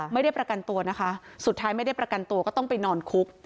ไม่ได้ประกันตัวนะคะสุดท้ายไม่ได้ประกันตัวก็ต้องไปนอนคุก